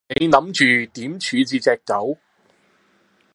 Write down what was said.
你諗住點處置隻狗？